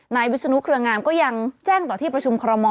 นายวิสนุเครืองามยังแจ้งต่อที่ประชุมครม